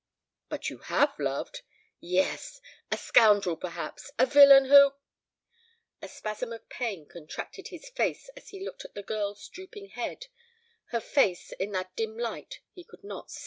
"But you have loved? Yes! a scoundrel, perhaps; a villain, who " A spasm of pain contracted his face as he looked at the girl's drooping head; her face, in that dim light, he could not see.